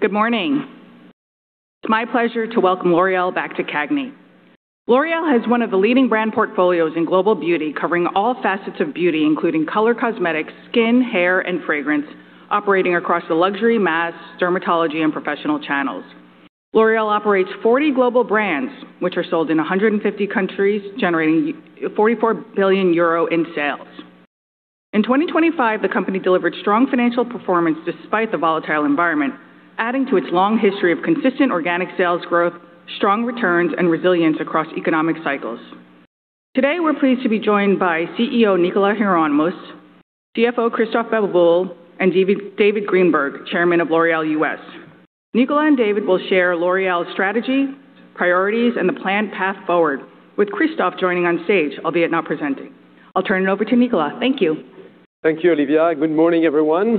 Good morning. It's my pleasure to welcome L'Oréal back to CAGNY. L'Oréal has one of the leading brand portfolios in global beauty, covering all facets of beauty, including color cosmetics, skin, hair, and fragrance, operating across the luxury, mass, dermatology, and professional channels. L'Oréal operates 40 global brands, which are sold in 150 countries, generating 44 billion euro in sales. In 2025, the company delivered strong financial performance despite the volatile environment, adding to its long history of consistent organic sales growth, strong returns, and resilience across economic cycles. Today, we're pleased to be joined by CEO Nicolas Hieronimus, CFO Christophe Babule, and David Greenberg, chairman of L'Oréal US. Nicolas and David will share L'Oréal's strategy, priorities, and the planned path forward, with Christophe joining on stage, albeit not presenting. I'll turn it over to Nicolas. Thank you. Thank you, Olivia. Good morning, everyone.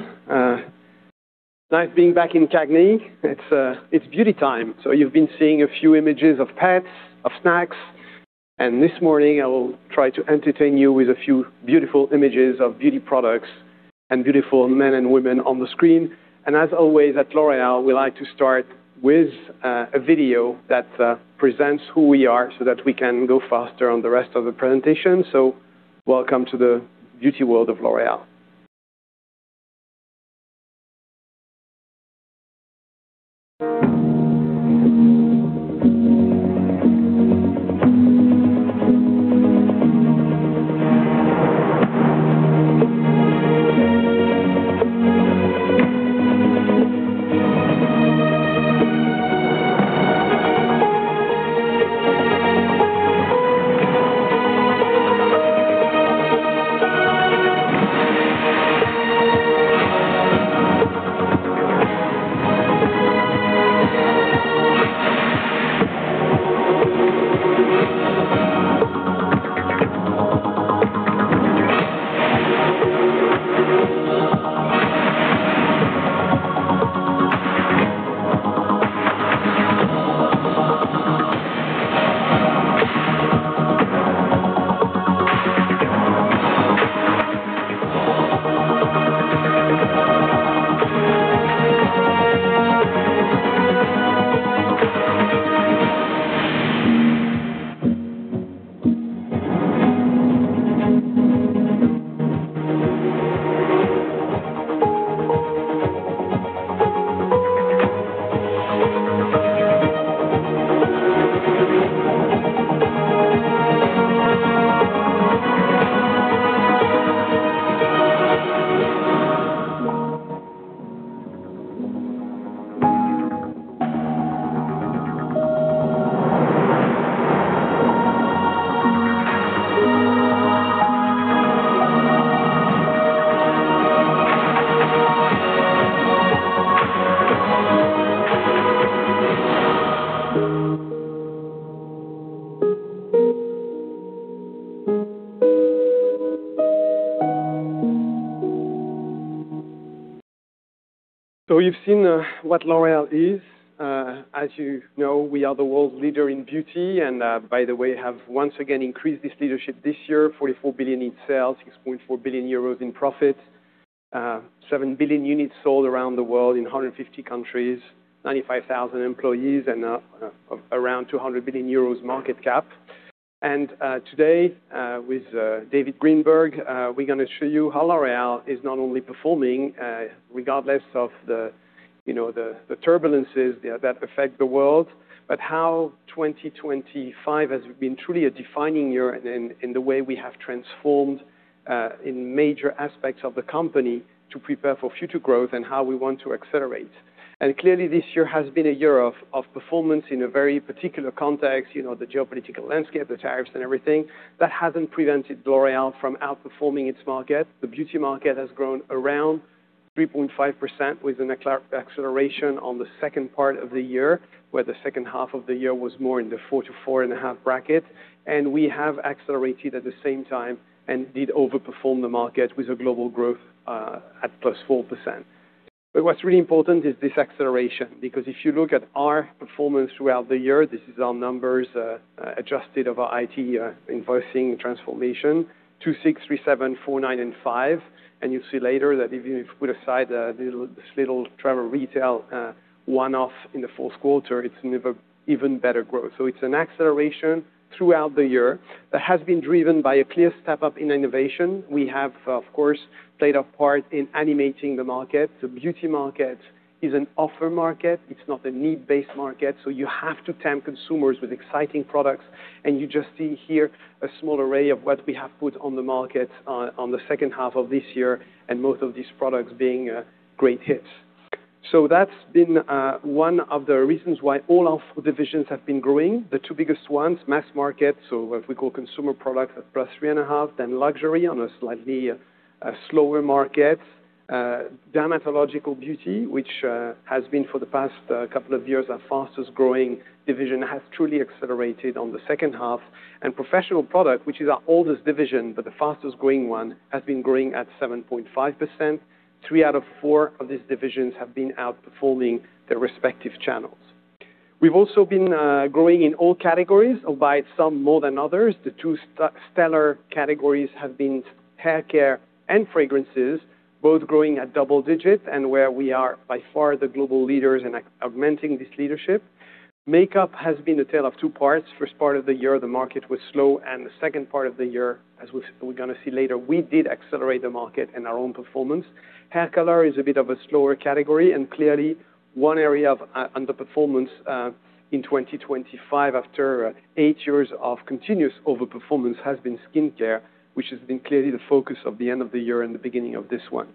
Nice being back in CAGNY. It's, it's beauty time. So you've been seeing a few images of pets, of snacks, and this morning I will try to entertain you with a few beautiful images of beauty products and beautiful men and women on the screen. And as always, at L'Oréal, we like to start with a video that presents who we are so that we can go faster on the rest of the presentation. So welcome to the beauty world of L'Oréal. So you've seen what L'Oréal is. As you know, we are the world leader in beauty and, by the way, have once again increased this leadership this year, 44 billion in sales, 6.4 billion euros in profit, 7 billion units sold around the world in 150 countries, 95,000 employees, and, around 200 billion euros market cap. Today, with David Greenberg, we're going to show you how L'Oréal is not only performing, regardless of the, you know, the, the turbulences that affect the world, but how 2025 has been truly a defining year in, in the way we have transformed, in major aspects of the company to prepare for future growth and how we want to accelerate. Clearly, this year has been a year of performance in a very particular context, you know, the geopolitical landscape, the tariffs and everything. That hasn't prevented L'Oréal from outperforming its market. The beauty market has grown around 3.5% with an acceleration on the second part of the year, where the second half of the year was more in the 4%-4.5% bracket, and we have accelerated at the same time and did overperform the market with a global growth at +4%. But what's really important is this acceleration, because if you look at our performance throughout the year, this is our numbers, adjusted of our IT invoicing transformation, 2.6%, 3.7%, 4.9%, and 5%. You'll see later that if you put aside this little Travel Retail one-off in the fourth quarter, it's an even, even better growth. So it's an acceleration throughout the year that has been driven by a clear step-up in innovation. We have, of course, played a part in animating the market. The beauty market is an offer market. It's not a need-based market, so you have to tempt consumers with exciting products, and you just see here a small array of what we have put on the market in the second half of this year, and most of these products being great hits. So that's been one of the reasons why all our divisions have been growing. The two biggest ones, mass market, so what we call consumer product, at +3.5, then luxury on a slightly slower market. Dermatological beauty, which has been for the past couple of years, our fastest-growing division, has truly accelerated on the second half. Professional product, which is our oldest division, but the fastest-growing one, has been growing at 7.5%. Three out of four of these divisions have been outperforming their respective channels. We've also been growing in all categories, albeit some more than others. The two stellar categories have been hair care and fragrances, both growing at double digits and where we are by far the global leaders and augmenting this leadership. Makeup has been a tale of two parts. First part of the year, the market was slow, and the second part of the year, as we're gonna see later, we did accelerate the market and our own performance. Hair color is a bit of a slower category, and clearly, one area of underperformance in 2025, after eight years of continuous overperformance, has been skincare, which has been clearly the focus of the end of the year and the beginning of this one.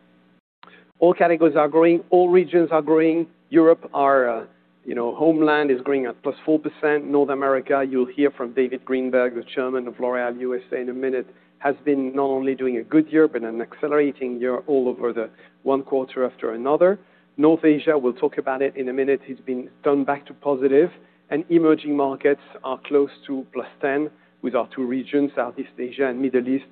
All categories are growing, all regions are growing. Europe, our, you know, homeland is growing at +4%. North America, you'll hear from David Greenberg, the Chairman of L'Oréal USA, in a minute, has been not only doing a good year, but an accelerating year all over, one quarter after another. North Asia, we'll talk about it in a minute, it's been turned back to positive. And emerging markets are close to +10%, with our two regions, Southeast Asia and Middle East,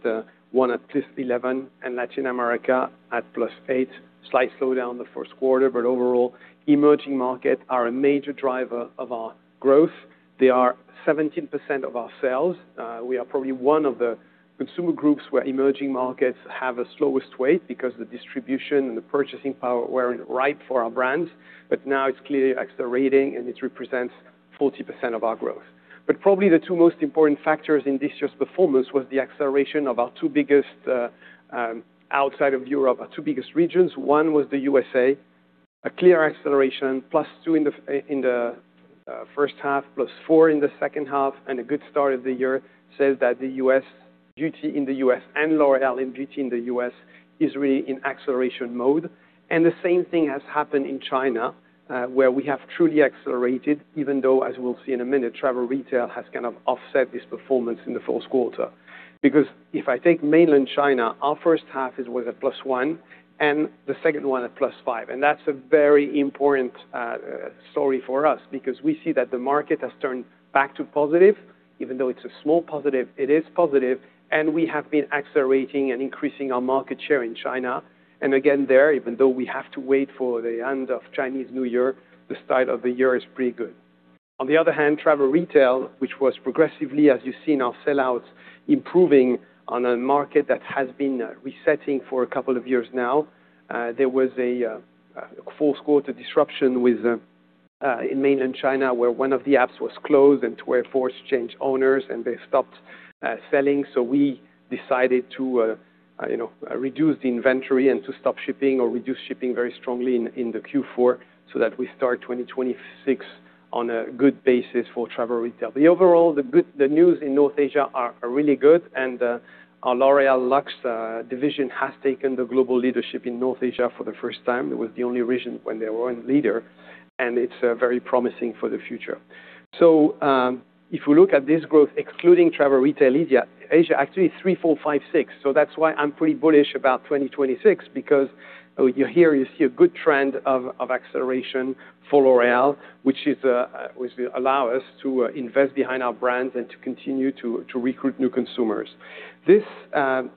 one at +11% and Latin America at +8%. Slight slowdown in the first quarter, but overall, emerging markets are a major driver of our growth. They are 17% of our sales. We are probably one of the consumer groups where emerging markets have a slowest weight because the distribution and the purchasing power weren't ripe for our brands. But now it's clearly accelerating, and it represents 40% of our growth. But probably the two most important factors in this year's performance was the acceleration of our two biggest, outside of Europe, our two biggest regions. One was the U.S.A., a clear acceleration, +2% in the first half, +4% in the second half, and a good start of the year says that the U.S. beauty in the U.S. and L'Oréal in beauty in the U.S. is really in acceleration mode. The same thing has happened in China, where we have truly accelerated, even though, as we'll see in a minute, Travel Retail has kind of offset this performance in the fourth quarter. Because if I take mainland China, our first half was at +1%, and the second one at +5%. That's a very important story for us because we see that the market has turned back to positive. Even though it's a small positive, it is positive, and we have been accelerating and increasing our market share in China. Again, there, even though we have to wait for the end of Chinese New Year, the start of the year is pretty good. On the other hand, Travel Retail, which was progressively, as you see in our sellouts, improving on a market that has been resetting for a couple of years now. There was a fourth quarter disruption with in mainland China, where one of the apps was closed and were forced to change owners, and they stopped selling. So we decided to you know reduce the inventory and to stop shipping or reduce shipping very strongly in the Q4 so that we start 2026 on a good basis for Travel Retail. But overall, the good news in North Asia is really good, and our L'Oréal Luxe division has taken the global leadership in North Asia for the first time. It was the only region when they weren't leader, and it's very promising for the future. So, if you look at this growth, excluding travel retail, Asia actually 3%, 4%, 5%, 6%. So that's why I'm pretty bullish about 2026, because you see a good trend of acceleration for L'Oréal, which allows us to invest behind our brands and to continue to recruit new consumers. This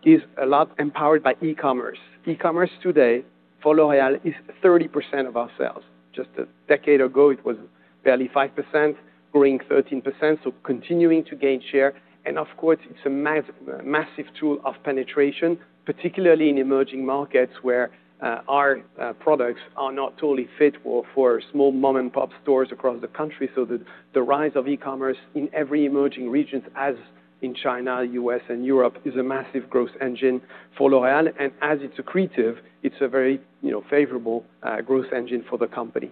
is a lot empowered by e-commerce. E-commerce today, for L'Oréal, is 30% of our sales. Just a decade ago, it was barely 5%, growing 13%, so continuing to gain share. And of course, it's a massive tool of penetration, particularly in emerging markets where our products are not totally fit for small mom-and-pop stores across the country. So the rise of e-commerce in every emerging regions, as in China, U.S., and Europe, is a massive growth engine for L'Oréal, and as it's accretive, it's a very, you know, favorable growth engine for the company.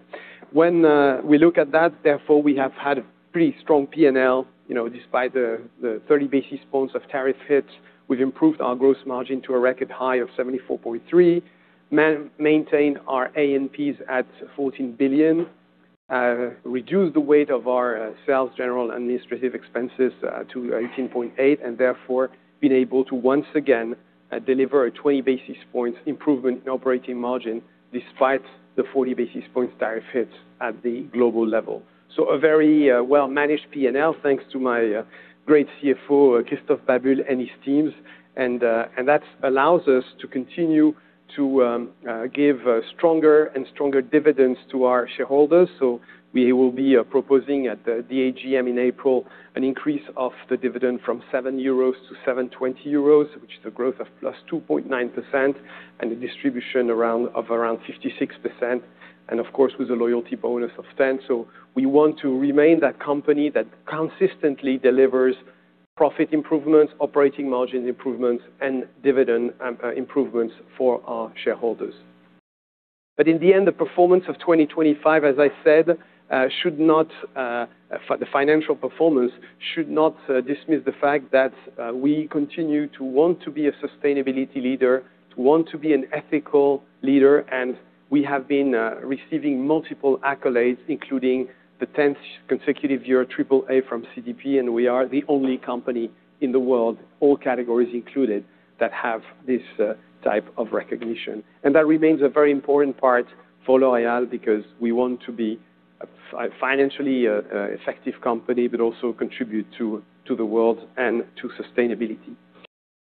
When we look at that, therefore, we have had a pretty strong P&L. You know, despite the 30 basis points of tariff hits, we've improved our gross margin to a record high of 74.3%, maintain our A&Ps at 14 billion, reduce the weight of our sales general administrative expenses to 18.8%, and therefore being able to once again deliver a 20 basis points improvement in operating margin despite the 40 basis points tariff hits at the global level. So a very well-managed P&L, thanks to my great CFO, Christophe Babule, and his teams. And that allows us to continue to give stronger and stronger dividends to our shareholders. So we will be proposing at the AGM in April an increase of the dividend from 7 euros to 7.20 euros, which is a growth of +2.9%, and a distribution of around 56%, and of course, with a loyalty bonus of 10%. So we want to remain that company that consistently delivers profit improvements, operating margin improvements, and dividend improvements for our shareholders. But in the end, the performance of 2025, as I said, should not, for the financial performance, should not, dismiss the fact that we continue to want to be a sustainability leader, to want to be an ethical leader, and we have been receiving multiple accolades, including the 10th consecutive year, AAA from CDP, and we are the only company in the world, all categories included, that have this type of recognition. And that remains a very important part for L'Oréal because we want to be a financially effective company, but also contribute to the world and to sustainability.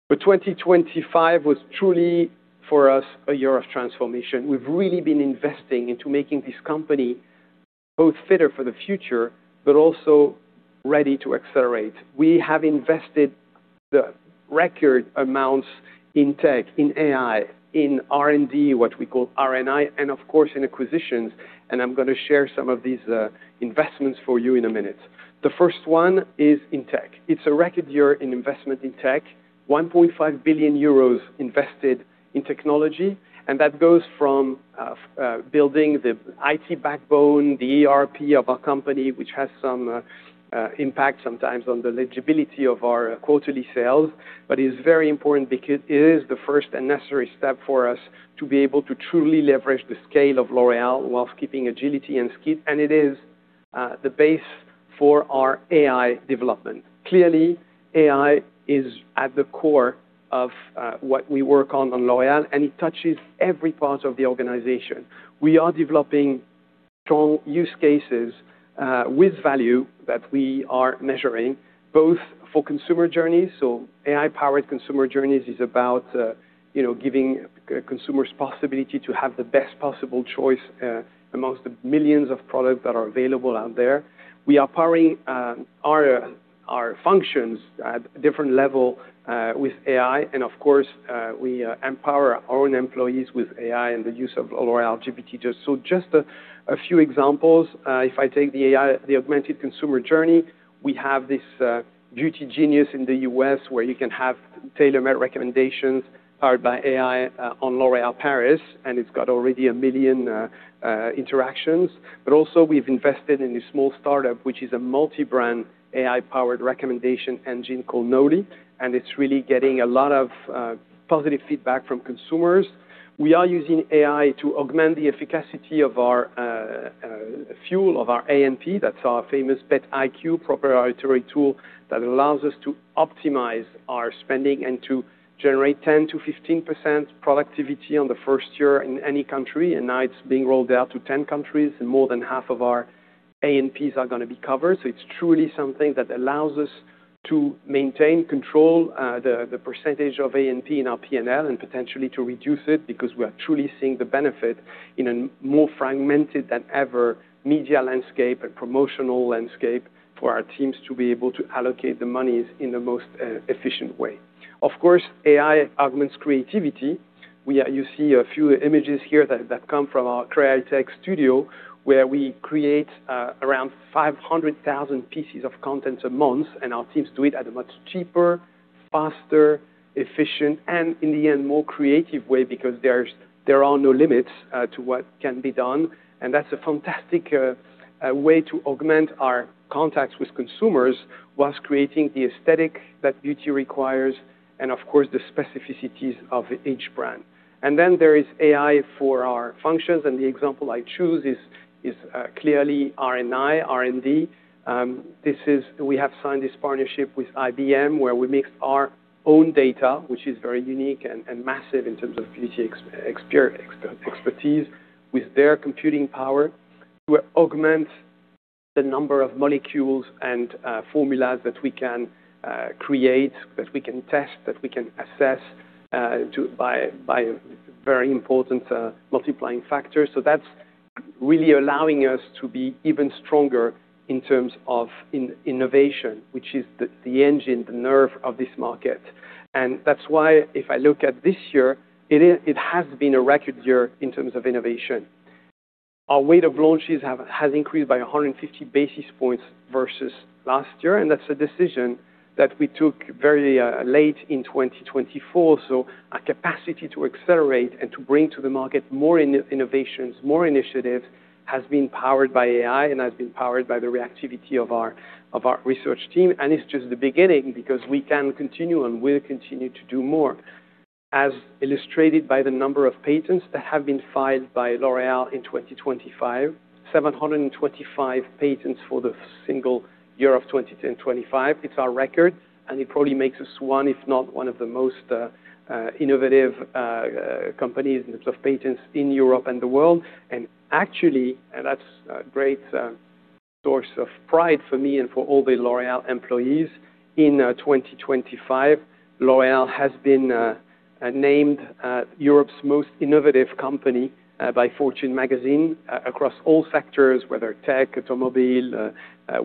But 2025 was truly, for us, a year of transformation. We've really been investing into making this company both fitter for the future, but also ready to accelerate. We have invested the record amounts in tech, in AI, in R&D, what we call R&I, and of course, in acquisitions, and I'm going to share some of these investments for you in a minute. The first one is in tech. It's a record year in investment in tech, 1.5 billion euros invested in technology, and that goes from building the IT backbone, the ERP of our company, which has some impact sometimes on the legibility of our quarterly sales, but is very important because it is the first and necessary step for us to be able to truly leverage the scale of L'Oréal while keeping agility and speed. It is the base for our AI development. Clearly, AI is at the core of what we work on at L'Oréal, and it touches every part of the organization. We are developing strong use cases with value that we are measuring, both for consumer journeys, so AI-powered consumer journeys is about, you know, giving consumers possibility to have the best possible choice amongst the millions of products that are available out there. We are powering our functions at different level with AI, and of course, we empower our own employees with AI and the use of L'Oréal GPT. Just a few examples, if I take the AI, the augmented consumer journey, we have this Beauty Genius in the U.S. where you can have tailor-made recommendations powered by AI on L'Oréal Paris, and it's got already 1 million interactions. But also, we've invested in a small startup, which is a multi-brand AI-powered recommendation engine called Noli, and it's really getting a lot of positive feedback from consumers. We are using AI to augment the efficacy of our pool of our A&P. That's our famous BETiq proprietary tool that allows us to optimize our spending and to generate 10%-15% productivity on the first year in any country. And now it's being rolled out to 10 countries, and more than half of our A&Ps are going to be covered. So it's truly something that allows us to maintain control, the percentage of A&P in our P&L and potentially to reduce it, because we are truly seeing the benefit in a more fragmented than ever media landscape and promotional landscape for our teams to be able to allocate the monies in the most efficient way. Of course, AI augments creativity. You see a few images here that come from our CREAITECH studio, where we create around 500,000 pieces of content a month, and our teams do it at a much cheaper, faster, efficient, and in the end, more creative way, because there are no limits to what can be done. And that's a fantastic way to augment our contacts with consumers whilst creating the aesthetic that beauty requires, and of course, the specificities of each brand. There is AI for our functions, and the example I choose is clearly R&I, R&D. We have signed this partnership with IBM, where we mix our own data, which is very unique and massive in terms of beauty expertise, with their computing power, to augment the number of molecules and formulas that we can create, that we can test, that we can assess by very important multiplying factors. So that's really allowing us to be even stronger in terms of innovation, which is the engine, the nerve of this market. That's why, if I look at this year, it has been a record year in terms of innovation. Our rate of launches has increased by 150 basis points versus last year, and that's a decision that we took very late in 2024. So our capacity to accelerate and to bring to the market more innovations, more initiatives, has been powered by AI and has been powered by the reactivity of our research team. And it's just the beginning because we can continue and will continue to do more. As illustrated by the number of patents that have been filed by L'Oréal in 2025, 725 patents for the single year of 2025. It's our record, and it probably makes us one, if not one of the most innovative companies in terms of patents in Europe and the world. And actually, and that's a great source of pride for me and for all the L'Oréal employees. In 2025, L'Oréal has been named Europe's most innovative company by Fortune Magazine across all sectors, whether tech, automobile,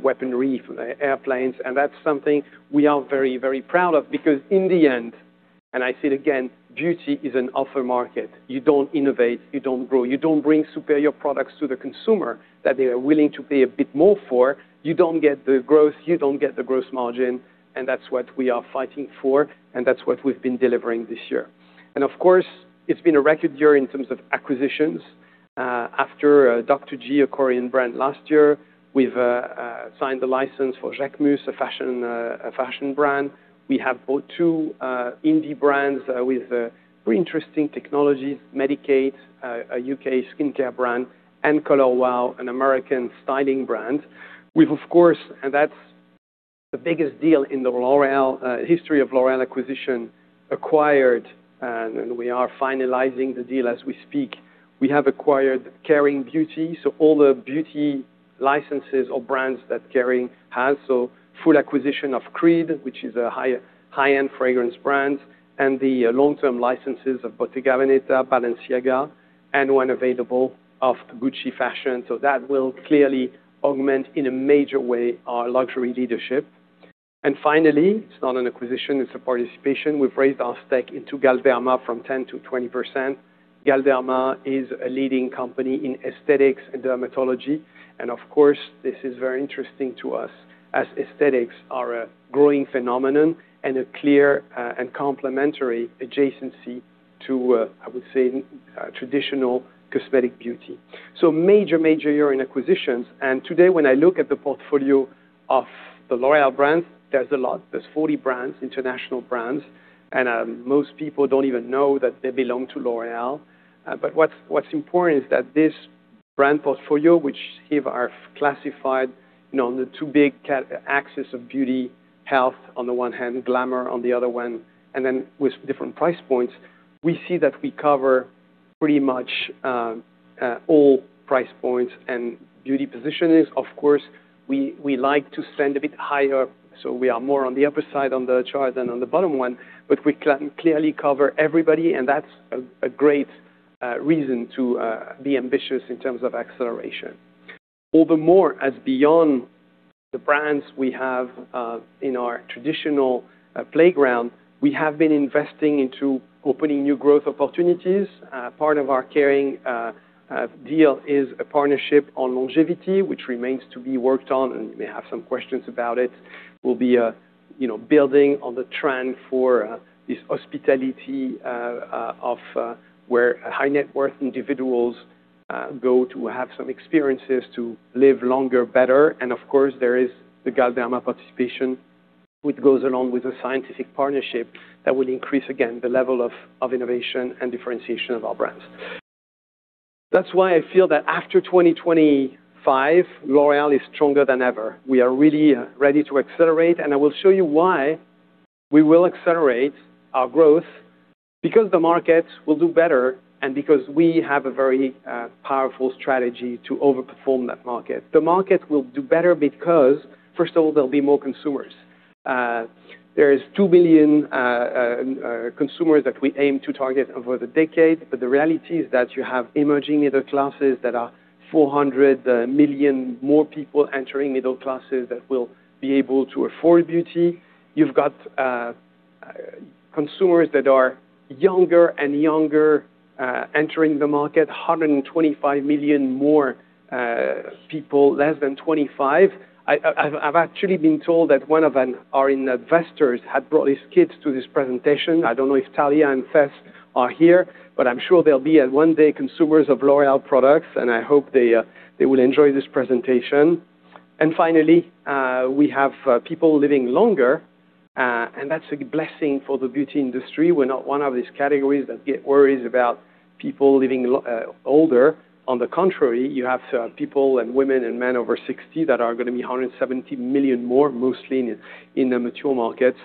weaponry, airplanes. And that's something we are very, very proud of, because in the end, and I say it again, beauty is an offer market. You don't innovate, you don't grow. You don't bring superior products to the consumer that they are willing to pay a bit more for, you don't get the growth, you don't get the growth margin, and that's what we are fighting for, and that's what we've been delivering this year. And of course, it's been a record year in terms of acquisitions. After Dr.G, a Korean brand last year, we've signed the license for Jacquemus, a fashion brand. We have bought two indie brands with pretty interesting technologies, Medik8, a U.K. skincare brand, and Color Wow, an American styling brand. We've, of course, and that's the biggest deal in the L'Oréal history of L'Oréal acquisition, acquired, and we are finalizing the deal as we speak. We have acquired Kering Beauty, so all the beauty licenses or brands that Kering has. So full acquisition of Creed, which is a high-end fragrance brand, and the long-term licenses of Bottega Veneta, Balenciaga, and when available, of the Gucci fashion. So that will clearly augment in a major way, our luxury leadership. And finally, it's not an acquisition, it's a participation. We've raised our stake into Galderma from 10% to 20%. Galderma is a leading company in aesthetics and dermatology, and of course, this is very interesting to us as aesthetics are a growing phenomenon and a clear, and complementary adjacency to, I would say, traditional cosmetic beauty. So major, major year in acquisitions. And today, when I look at the portfolio of the L'Oréal brands, there's a lot. There's 40 brands, international brands, and, most people don't even know that they belong to L'Oréal. But what's important is that this brand portfolio, which here are classified, you know, on the two big axes of beauty, health on the one hand, glamour on the other one, and then with different price points, we see that we cover pretty much, all price points and beauty positioning. Of course, we like to spend a bit higher, so we are more on the upper side on the chart than on the bottom one, but we clearly cover everybody, and that's a great reason to be ambitious in terms of acceleration. All the more, as beyond the brands we have in our traditional playground, we have been investing into opening new growth opportunities. Part of our Kering deal is a partnership on longevity, which remains to be worked on, and you may have some questions about it. We'll be, you know, building on the trend for this hospitality of where high net worth individuals go to have some experiences to live longer, better. Of course, there is the Galderma participation, which goes along with the scientific partnership that will increase, again, the level of innovation and differentiation of our brands. That's why I feel that after 2025, L'Oréal is stronger than ever. We are really ready to accelerate, and I will show you why we will accelerate our growth, because the market will do better and because we have a very powerful strategy to overperform that market. The market will do better because, first of all, there'll be more consumers. There is 2 billion consumers that we aim to target over the decade, but the reality is that you have emerging middle classes that are 400 million more people entering middle classes that will be able to afford beauty. You've got consumers that are younger and younger entering the market. 125 million more people, less than 25 million. I've actually been told that one of our investors had brought his kids to this presentation. I don't know if Talia and Tess are here, but I'm sure they'll be one day consumers of L'Oréal products, and I hope they will enjoy this presentation. Finally, we have people living longer, and that's a blessing for the beauty industry. We're not one of these categories that get worries about people living longer. On the contrary, you have people and women and men over 60 that are gonna be 170 million more, mostly in the mature markets,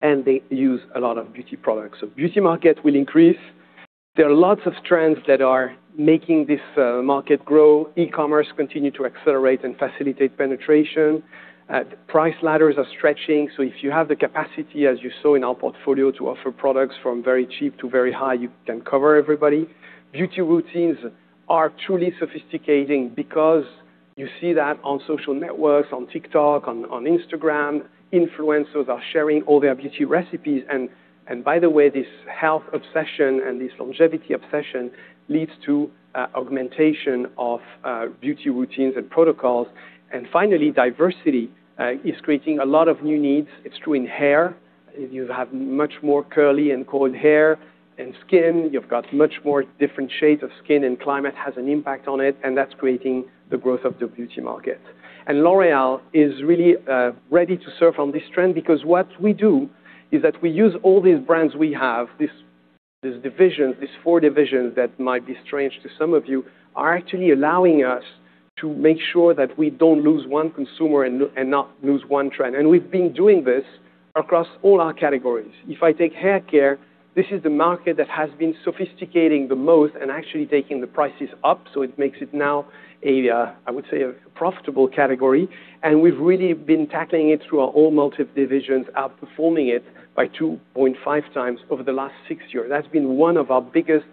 and they use a lot of beauty products. So beauty market will increase. There are lots of trends that are making this market grow. E-commerce continue to accelerate and facilitate penetration. Price ladders are stretching, so if you have the capacity, as you saw in our portfolio, to offer products from very cheap to very high, you can cover everybody. Beauty routines are truly sophisticating because you see that on social networks, on TikTok, on Instagram. Influencers are sharing all their beauty recipes. And by the way, this health obsession and this longevity obsession leads to augmentation of beauty routines and protocols. And finally, diversity is creating a lot of new needs. It's true in hair. You have much more curly and coiled hair and skin. You've got much more different shades of skin, and climate has an impact on it, and that's creating the growth of the beauty market. L'Oréal is really ready to surf on this trend because what we do is that we use all these brands we have, this, this division, these four divisions that might be strange to some of you, are actually allowing us to make sure that we don't lose one consumer and not lose one trend. We've been doing this across all our categories. If I take haircare, this is the market that has been sophisticating the most and actually taking the prices up, so it makes it now a, I would say, a profitable category. We've really been tackling it through our all multiple divisions, outperforming it by 2.5x over the last six years. That's been one of our biggest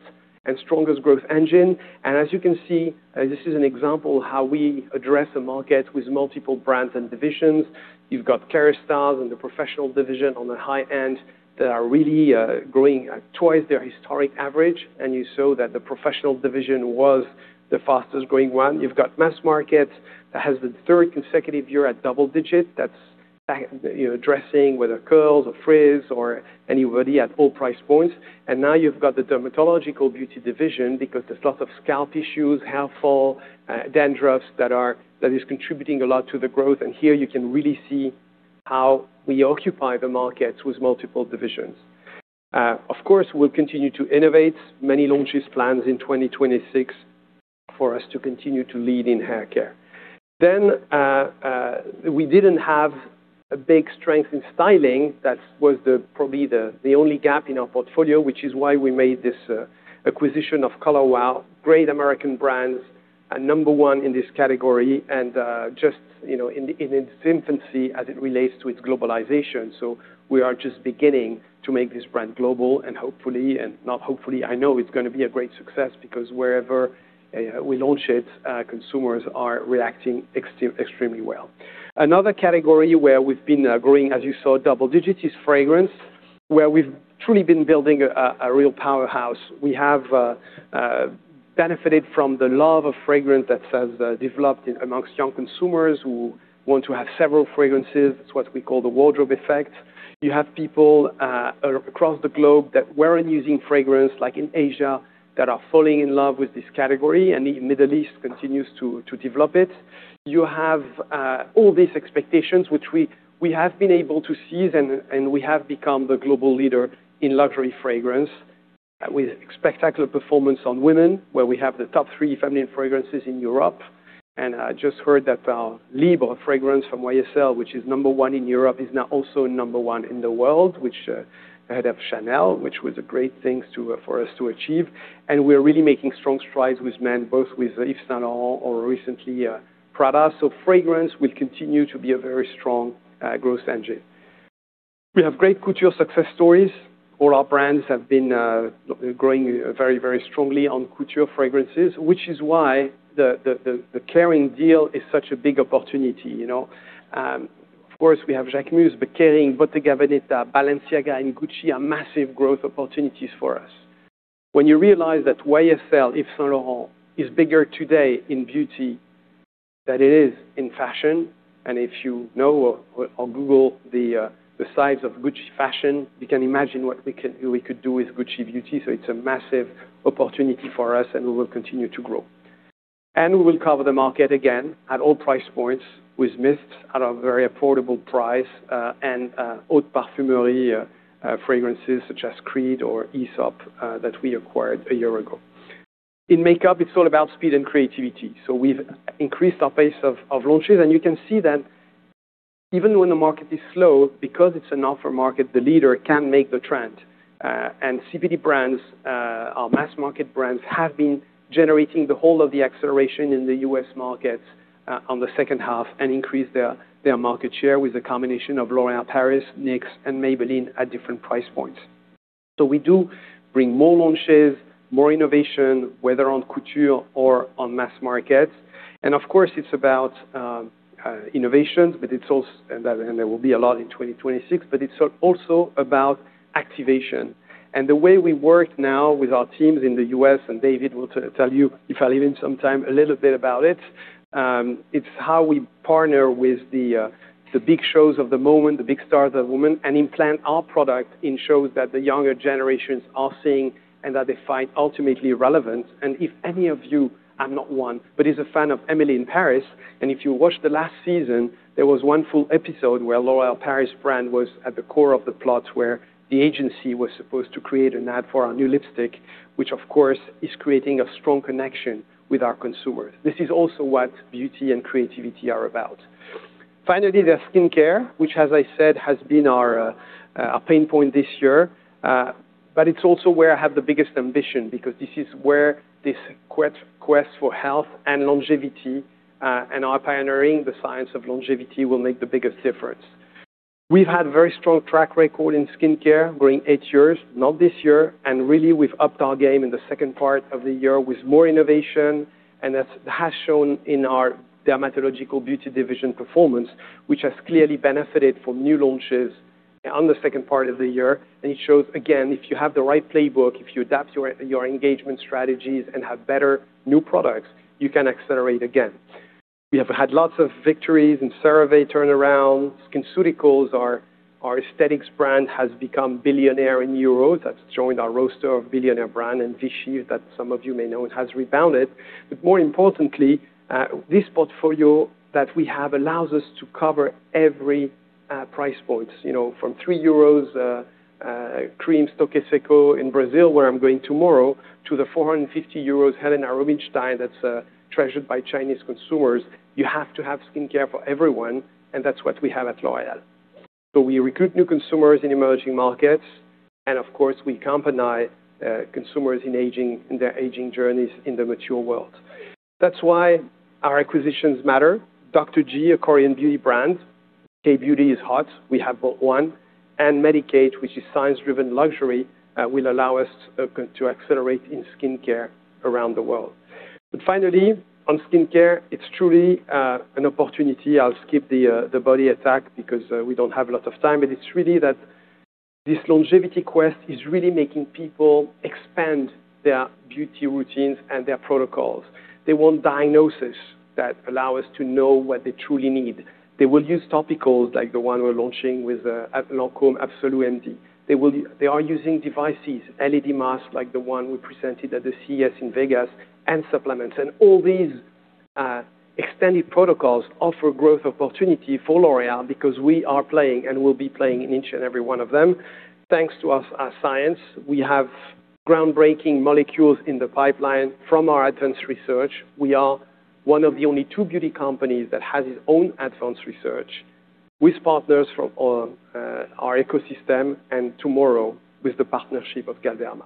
and strongest growth engine. And as you can see, this is an example of how we address a market with multiple brands and divisions. You've got Kérastase and the Professional Products Division on the high end that are really growing at twice their historic average, and you saw that the Professional Products Division was the fastest-growing one. You've got mass market that has the third consecutive year at double-digit. That's, you know, addressing whether curls or frizz or anybody at all price points. And now you've got the Dermatological Beauty Division because there's lots of scalp issues, hair fall, dandruff that is contributing a lot to the growth. And here you can really see how we occupy the markets with multiple divisions. Of course, we'll continue to innovate many launches plans in 2026 for us to continue to lead in haircare. Then, we didn't have a big strength in styling. That was probably the only gap in our portfolio, which is why we made this acquisition of Color Wow, great American brands. And number one in this category, and just, you know, in its infancy as it relates to its globalization. So we are just beginning to make this brand global and hopefully, and not hopefully, I know it's going to be a great success because wherever we launch it, consumers are reacting extremely well. Another category where we've been growing, as you saw, double digits, is fragrance, where we've truly been building a real powerhouse. We have benefited from the love of fragrance that has developed amongst young consumers who want to have several fragrances. It's what we call the wardrobe effect. You have people across the globe that weren't using fragrance, like in Asia, that are falling in love with this category, and the Middle East continues to develop it. You have all these expectations, which we have been able to seize, and we have become the global leader in luxury fragrance, with spectacular performance on women, where we have the top three feminine fragrances in Europe. And I just heard that Libre fragrance from YSL, which is number one in Europe, is now also number one in the world, which ahead of Chanel, which was a great thing for us to achieve. And we are really making strong strides with men, both with Yves Saint Laurent or recently Prada. So fragrance will continue to be a very strong growth engine. We have great couture success stories. All our brands have been growing very, very strongly on couture fragrances, which is why the Kering deal is such a big opportunity, you know. Of course, we have Jacquemus, Bottega Veneta, Balenciaga, and Gucci are massive growth opportunities for us. When you realize that YSL Yves Saint Laurent is bigger today in beauty than it is in fashion, and if you know or Google the size of Gucci fashion, you can imagine what we could do with Gucci Beauty. So it's a massive opportunity for us, and we will continue to grow. We will cover the market again at all price points with mists at a very affordable price, and haute parfumerie fragrances such as Creed or Aesop that we acquired a year ago. In makeup, it's all about speed and creativity. So we've increased our pace of, of launches, and you can see that even when the market is slow, because it's an offer market, the leader can make the trend. And CPD brands, our mass market brands, have been generating the whole of the acceleration in the U.S. markets, on the second half and increase their, their market share with a combination of L'Oréal Paris, NYX and Maybelline at different price points. So we do bring more launches, more innovation, whether on couture or on mass market. And of course, it's about innovations, but it's also and there will be a lot in 2026, but it's also about activation. And the way we work now with our teams in the U.S., and David will tell you, if I leave him some time, a little bit about it, it's how we partner with the big shows of the moment, the big stars of the moment, and implant our product in shows that the younger generations are seeing and that they find ultimately relevant. And if any of you, I'm not one, but is a fan of Emily in Paris, and if you watched the last season, there was one full episode where L'Oréal Paris brand was at the core of the plot, where the agency was supposed to create an ad for our new lipstick, which of course, is creating a strong connection with our consumers. This is also what beauty and creativity are about. Finally, there's skincare, which, as I said, has been our a pain point this year, but it's also where I have the biggest ambition, because this is where this quest for health and longevity and our pioneering the science of longevity will make the biggest difference. We've had very strong track record in skincare, growing eight years, not this year, and really we've upped our game in the second part of the year with more innovation, and that has shown in our Dermatological Beauty Division performance, which has clearly benefited from new launches on the second part of the year. And it shows, again, if you have the right playbook, if you adapt your engagement strategies and have better new products, you can accelerate again. We have had lots of victories and CeraVe turnarounds. SkinCeuticals, our aesthetics brand, has become billionaire in Europe. That's joined our roster of billionaire brand, and Vichy, that some of you may know, it has rebounded. But more importantly, this portfolio that we have allows us to cover every, price points, you know, from 3 euros, cream, Toque Seco, in Brazil, where I'm going tomorrow, to the 450 euros Helena Rubinstein, that's, treasured by Chinese consumers. You have to have skincare for everyone, and that's what we have at L'Oréal. So we recruit new consumers in emerging markets, and of course, we accompany, consumers in aging, in their aging journeys in the mature world. That's why our acquisitions matter. Dr.G, a Korean beauty brand. K-beauty is hot. We have bought one, and Medik8, which is science-driven luxury, will allow us to accelerate in skincare around the world. But finally, on skincare, it's truly, an opportunity. I'll skip the, the body attack because, we don't have a lot of time, but it's really that this longevity quest is really making people expand their beauty routines and their protocols. They want diagnosis that allow us to know what they truly need. They will use topicals like the one we're launching with, Lancôme Absolue. They will- they are using devices, LED masks, like the one we presented at the CES in Vegas, and supplements. And all these, extended protocols offer growth opportunity for L'Oréal because we are playing and will be playing in each and every one of them. Thanks to our science, we have groundbreaking molecules in the pipeline from our advanced research. We are one of the only two beauty companies that has its own advanced research. With partners from our, our ecosystem and tomorrow with the partnership of Galderma.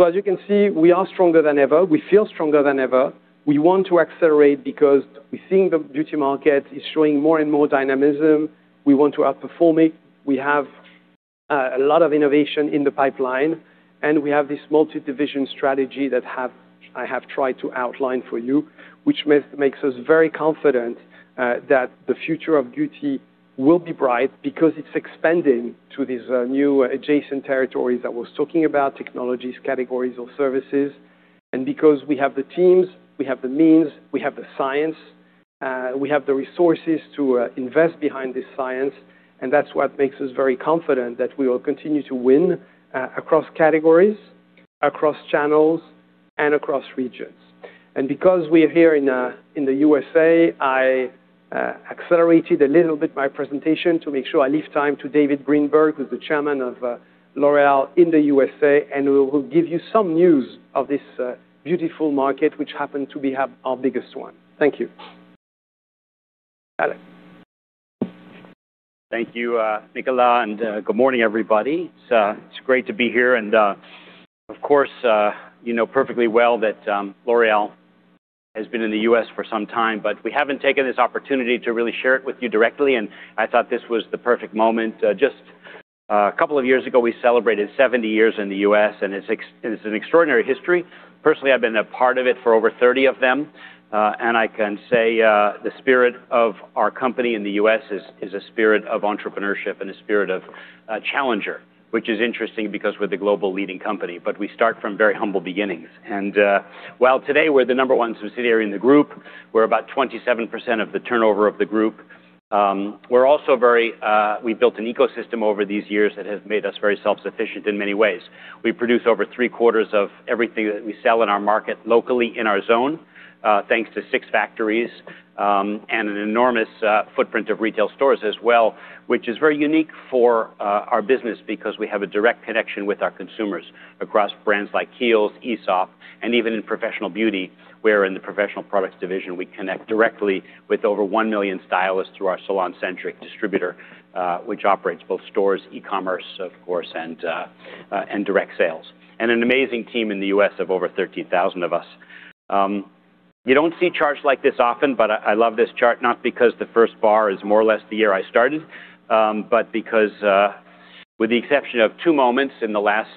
So as you can see, we are stronger than ever. We feel stronger than ever. We want to accelerate because we're seeing the beauty market is showing more and more dynamism. We want to outperform it. We have a lot of innovation in the pipeline, and we have this multi-division strategy that I have tried to outline for you, which makes us very confident that the future of beauty will be bright because it's expanding to these new adjacent territories that I was talking about, technologies, categories or services. And because we have the teams, we have the means, we have the science, we have the resources to invest behind this science, and that's what makes us very confident that we will continue to win across categories, across channels, and across regions. And because we are here in the U.S.A., I accelerated a little bit my presentation to make sure I leave time to David Greenberg, who's the Chairman of L'Oréal USA, and who will give you some news of this beautiful market, which happened to be our biggest one. Thank you. Alex? Thank you, Nicolas, and good morning, everybody. It's great to be here. Of course, you know perfectly well that L'Oréal has been in the U.S. for some time, but we haven't taken this opportunity to really share it with you directly, and I thought this was the perfect moment. Just a couple of years ago, we celebrated 70 years in the U.S., and it's an extraordinary history. Personally, I've been a part of it for over 30 of them, and I can say the spirit of our company in the U.S. is a spirit of entrepreneurship and a spirit of challenger, which is interesting because we're the global leading company, but we start from very humble beginnings. And, while today we're the number one subsidiary in the group, we're about 27% of the turnover of the group, we're also very-- we've built an ecosystem over these years that has made us very self-sufficient in many ways. We produce over three-quarters of everything that we sell in our market locally in our zone, thanks to six factories, and an enormous footprint of retail stores as well, which is very unique for our business because we have a direct connection with our consumers across brands like Kiehl's, Aesop, and even in professional beauty, where in the Professional Products Division, we connect directly with over 1 million stylists through our SalonCentric distributor, which operates both stores, e-commerce, of course, and direct sales. And an amazing team in the U.S. of over 13,000 of us. You don't see charts like this often, but I love this chart, not because the first bar is more or less the year I started, but because with the exception of two moments in the last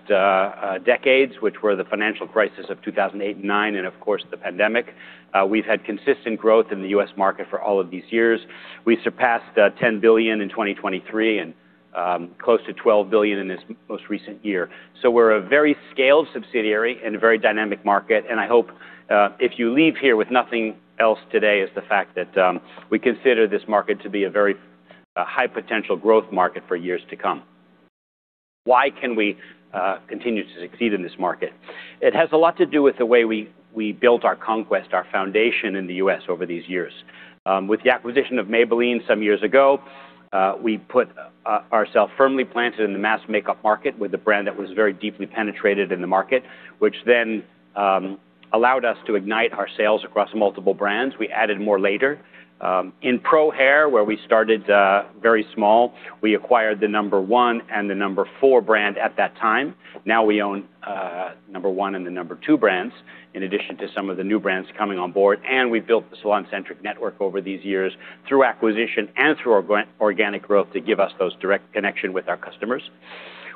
decades, which were the financial crisis of 2008 and 2009 and, of course, the pandemic, we've had consistent growth in the U.S. market for all of these years. We surpassed 10 billion in 2023 and close to 12 billion in this most recent year. So we're a very scaled subsidiary in a very dynamic market, and I hope if you leave here with nothing else today, is the fact that we consider this market to be a very high potential growth market for years to come. Why can we continue to succeed in this market? It has a lot to do with the way we built our conquest, our foundation in the U.S. over these years. With the acquisition of Maybelline some years ago, we put ourselves firmly planted in the mass makeup market with a brand that was very deeply penetrated in the market, which then allowed us to ignite our sales across multiple brands. We added more later. In Pro Hair, where we started very small, we acquired the number-one and the number-four brand at that time. Now we own number-one and the number-two brands, in addition to some of the new brands coming on board, and we've built the SalonCentric network over these years through acquisition and through organic growth to give us those direct connections with our customers.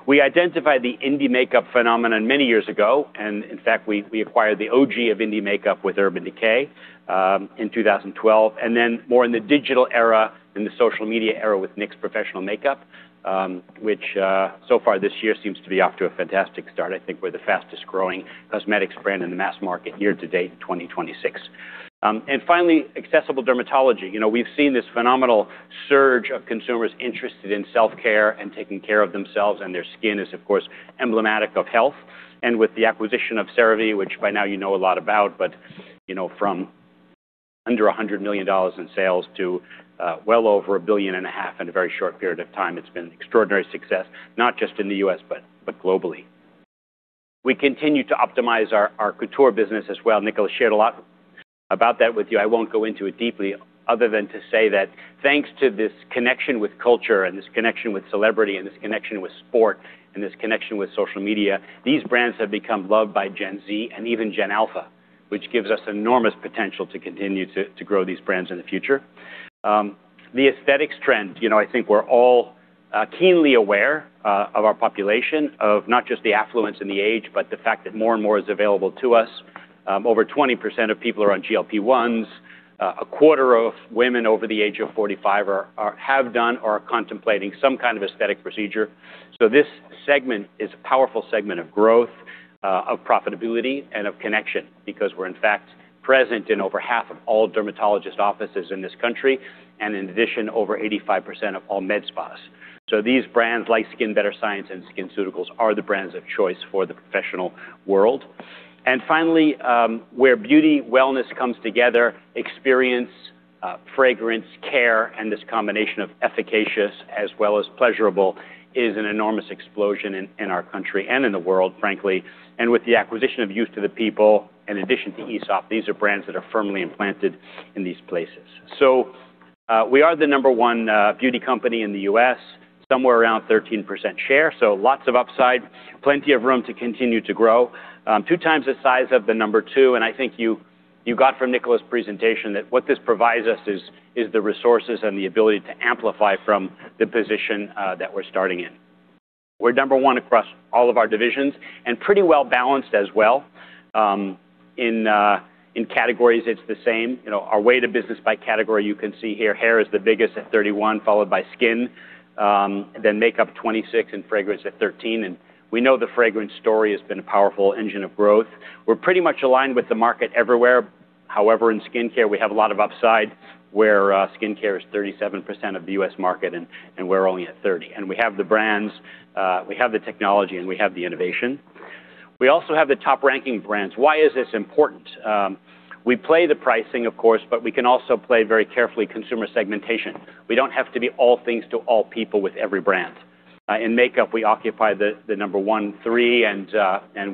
We identified the indie makeup phenomenon many years ago, and in fact, we acquired the OG of indie makeup with Urban Decay in 2012, and then more in the digital era, in the social media era, with NYX Professional Makeup, which so far this year seems to be off to a fantastic start. I think we're the fastest-growing cosmetics brand in the mass market year to date, 2026. And finally, accessible dermatology. You know, we've seen this phenomenal surge of consumers interested in self-care and taking care of themselves, and their skin is, of course, emblematic of health. With the acquisition of CeraVe, which by now you know a lot about, but you know, from under $100 million in sales to, well over $1.5 billion in a very short period of time, it's been extraordinary success, not just in the U.S., but, but globally. We continue to optimize our couture business as well. Nicolas shared a lot about that with you. I won't go into it deeply, other than to say that thanks to this connection with culture and this connection with celebrity, and this connection with sport, and this connection with social media, these brands have become loved by Gen Z and even Gen Alpha, which gives us enormous potential to continue to grow these brands in the future. The aesthetics trend. You know, I think we're all keenly aware of our population, of not just the affluence and the age, but the fact that more and more is available to us. Over 20% of people are on GLP-1s. A quarter of women over the age of 45 are—have done or are contemplating some kind of aesthetic procedure. So this segment is a powerful segment of growth, of profitability and of connection, because we're in fact present in over half of all dermatologist offices in this country, and in addition, over 85% of all med spas. So these brands, like SkinBetter Science and SkinCeuticals, are the brands of choice for the professional world. Finally, where beauty, wellness comes together, experience, fragrance, care, and this combination of efficacious as well as pleasurable, is an enormous explosion in our country and in the world, frankly. With the acquisition of Youth To The People, in addition to Aesop, these are brands that are firmly implanted in these places. We are the number one beauty company in the U.S., somewhere around 13% share. So lots of upside, plenty of room to continue to grow, two times the size of the number two. And I think you got from Nicolas's presentation that what this provides us is the resources and the ability to amplify from the position that we're starting in. We're number one across all of our divisions and pretty well balanced as well. In categories, it's the same. You know, our weight of business by category, you can see here, hair is the biggest at 31%, followed by skin, then makeup, 26%, and fragrance at 13%. We know the fragrance story has been a powerful engine of growth. We're pretty much aligned with the market everywhere. However, in skincare, we have a lot of upside, where skincare is 37% of the U.S. market, and we're only at 30%. We have the brands, we have the technology, and we have the innovation. We also have the top-ranking brands. Why is this important? We play the pricing, of course, but we can also play very carefully consumer segmentation. We don't have to be all things to all people with every brand. In makeup, we occupy the number one, three, and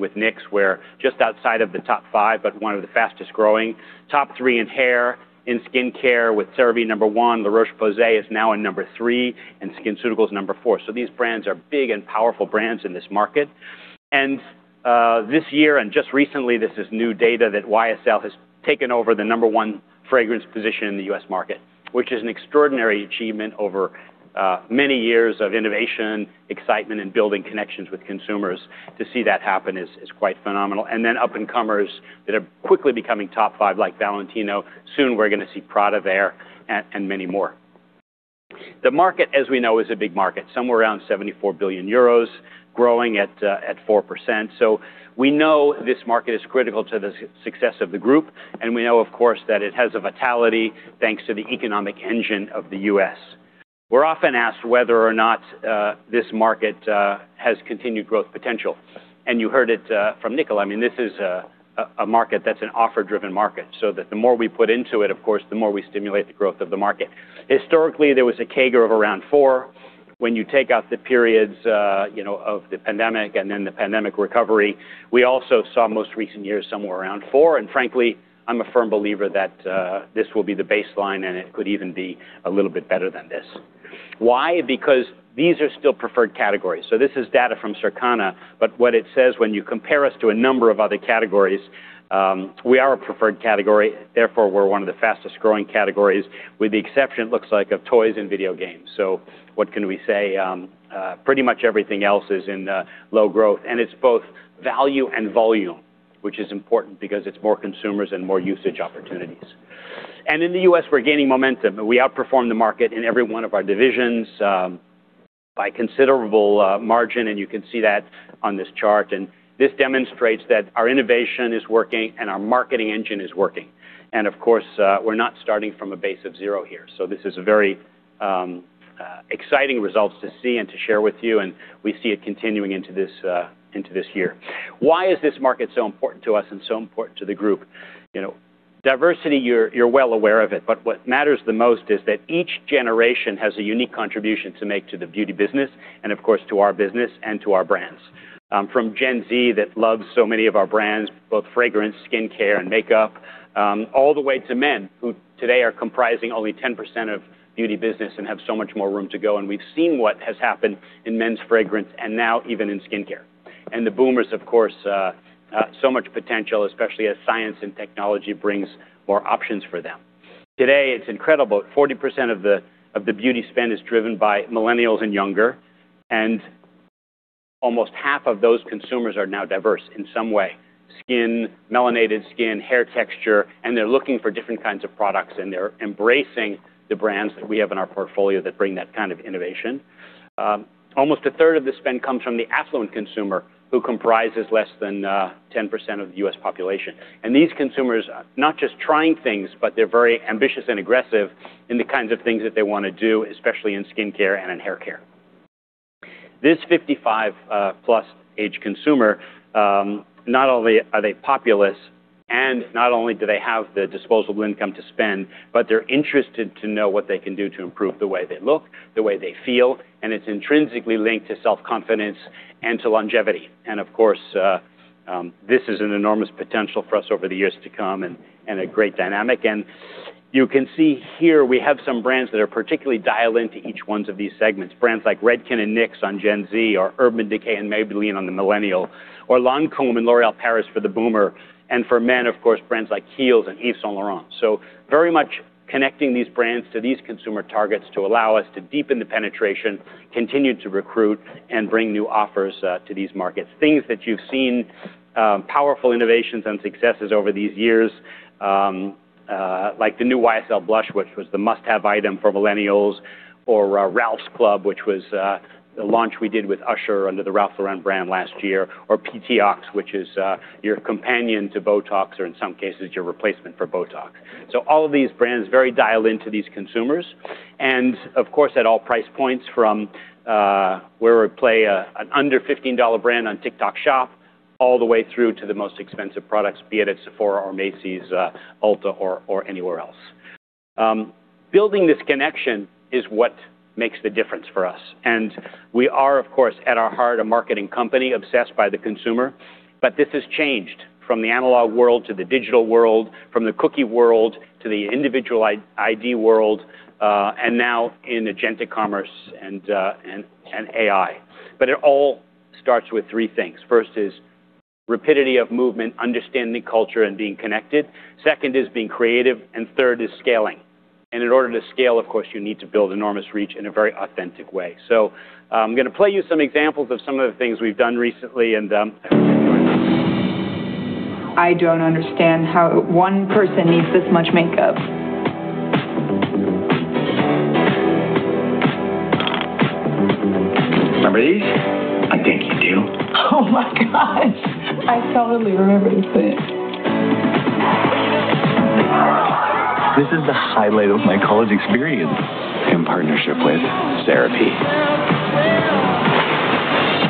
with NYX, we're just outside of the top five, but one of the fastest-growing. Top three in hair, in skincare, with CeraVe, number one, La Roche-Posay is now in number three, and SkinCeuticals is number four. So these brands are big and powerful brands in this market. And this year, and just recently, this is new data, that YSL has taken over the number one fragrance position in the U.S. market, which is an extraordinary achievement over many years of innovation, excitement, and building connections with consumers. To see that happen is quite phenomenal. And then up-and-comers that are quickly becoming top five, like Valentino. Soon, we're going to see Prada there and many more. The market, as we know, is a big market, somewhere around 74 billion euros, growing at 4%. So we know this market is critical to the success of the group, and we know, of course, that it has a vitality, thanks to the economic engine of the U.S. We're often asked whether or not this market has continued growth potential, and you heard it from Nicolas. I mean, this is a market that's an offer-driven market, so that the more we put into it, of course, the more we stimulate the growth of the market. Historically, there was a CAGR of around 4%. When you take out the periods, you know, of the pandemic and then the pandemic recovery, we also saw most recent years, somewhere around 4%. Frankly, I'm a firm believer that this will be the baseline, and it could even be a little bit better than this. Why? Because these are still preferred categories. So this is data from Circana, but what it says, when you compare us to a number of other categories, we are a preferred category. Therefore, we're one of the fastest-growing categories, with the exception, it looks like, of toys and video games. So what can we say? Pretty much everything else is in low growth, and it's both value and volume, which is important because it's more consumers and more usage opportunities. And in the U.S., we're gaining momentum, and we outperform the market in every one of our divisions, by considerable margin, and you can see that on this chart. This demonstrates that our innovation is working and our marketing engine is working. Of course, we're not starting from a base of zero here. This is a very exciting results to see and to share with you, and we see it continuing into this year. Why is this market so important to us and so important to the group? You know, diversity, you're well aware of it, but what matters the most is that each generation has a unique contribution to make to the beauty business and, of course, to our business and to our brands. From Gen Z, that loves so many of our brands, both fragrance, skincare, and makeup, all the way to men, who today are comprising only 10% of beauty business and have so much more room to go. We've seen what has happened in men's fragrance and now even in skincare. The boomers, of course, so much potential, especially as science and technology brings more options for them. Today, it's incredible, 40% of the beauty spend is driven by millennials and younger, and almost half of those consumers are now diverse in some way: skin, melanated skin, hair texture, and they're looking for different kinds of products, and they're embracing the brands that we have in our portfolio that bring that kind of innovation. Almost a third of the spend comes from the affluent consumer, who comprises less than 10% of the U.S. population. These consumers are not just trying things, but they're very ambitious and aggressive in the kinds of things that they want to do, especially in skincare and in haircare. This 55+ age consumer not only are they populous and not only do they have the disposable income to spend, but they're interested to know what they can do to improve the way they look, the way they feel, and it's intrinsically linked to self-confidence and to longevity. Of course, this is an enormous potential for us over the years to come and a great dynamic. You can see here we have some brands that are particularly dialed into each one of these segments. Brands like Redken and NYX on Gen Z, or Urban Decay and Maybelline on the millennial, or Lancôme and L'Oréal Paris for the boomer. For men, of course, brands like Kiehl's and Yves Saint Laurent. So very much connecting these brands to these consumer targets to allow us to deepen the penetration, continue to recruit, and bring new offers to these markets. Things that you've seen, powerful innovations and successes over these years, like the new YSL Blush, which was the must-have item for millennials, or Ralph's Club, which was the launch we did with Usher under the Ralph Lauren brand last year, or P-TIOX, which is your companion to Botox or in some cases, your replacement for Botox. So all of these brands, very dialed into these consumers, and of course, at all price points, from where we play an under-$15 brand on TikTok Shop, all the way through to the most expensive products, be it at Sephora or Macy's, Ulta, or anywhere else. Building this connection is what makes the difference for us, and we are, of course, at our heart, a marketing company obsessed by the consumer. But this has changed from the analog world to the digital world, from the cookie world to the individual ID world, and now in agentic commerce and AI. But it all starts with three things. First is rapidity of movement, understanding culture, and being connected. Second is being creative, and third is scaling. And in order to scale, of course, you need to build enormous reach in a very authentic way. So, I'm going to play you some examples of some of the things we've done recently, and I hope you enjoy them. I don't understand how one person needs this much makeup. Remember these? I think you do. Oh, my God! I totally remember this thing. This is the highlight of my college experience. In partnership with CeraVe.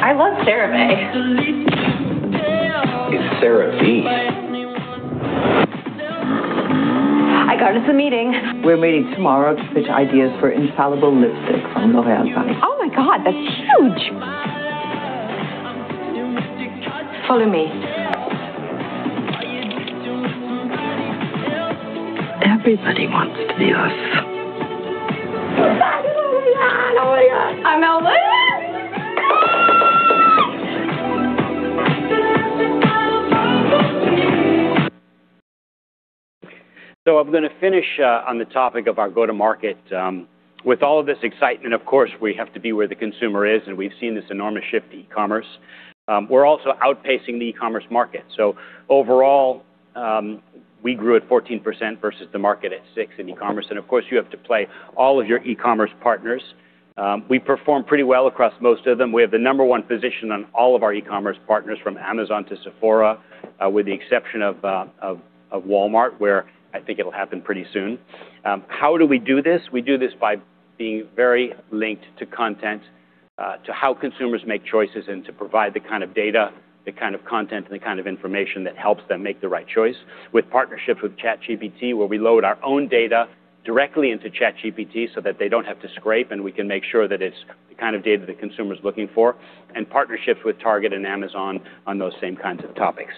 I love CeraVe. It's CeraVe. I got us a meeting. We're meeting tomorrow to pitch ideas for Infallible lipstick from L'Oréal, Johnny. Oh, my God, that's huge! Follow me. Everybody wants to be us. We got L'Oréal! Oh, my God. I'm out. So I'm going to finish on the topic of our go-to-market. With all of this excitement, of course, we have to be where the consumer is, and we've seen this enormous shift to e-commerce. We're also outpacing the e-commerce market. So overall, we grew at 14% versus the market at 6% in e-commerce. And of course, you have to play all of your e-commerce partners. We perform pretty well across most of them. We have the number one position on all of our e-commerce partners, from Amazon to Sephora, with the exception of Walmart, where I think it'll happen pretty soon. How do we do this? We do this by being very linked to content, to how consumers make choices, and to provide the kind of data, the kind of content, and the kind of information that helps them make the right choice. With partnerships with ChatGPT, where we load our own data directly into ChatGPT so that they don't have to scrape, and we can make sure that it's the kind of data the consumer is looking for, and partnerships with Target and Amazon on those same kinds of topics.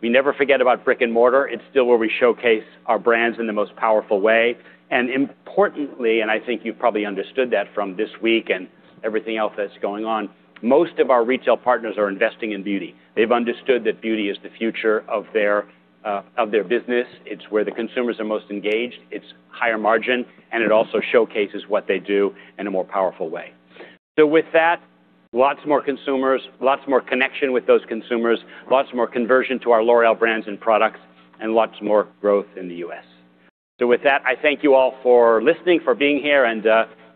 We never forget about brick-and-mortar. It's still where we showcase our brands in the most powerful way. And importantly, and I think you've probably understood that from this week and everything else that's going on, most of our retail partners are investing in beauty. They've understood that beauty is the future of their, of their business. It's where the consumers are most engaged, it's higher margin, and it also showcases what they do in a more powerful way. So with that, lots more consumers, lots more connection with those consumers, lots more conversion to our L'Oréal brands and products, and lots more growth in the U.S. So with that, I thank you all for listening, for being here, and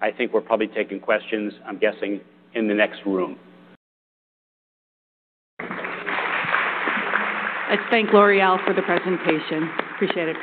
I think we're probably taking questions, I'm guessing, in the next room. Let's thank L'Oréal for the presentation. Appreciate it, guys.